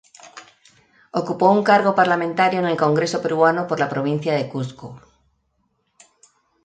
Ocupó un cargo parlamentario en el congreso peruano por la Provincia de Cusco.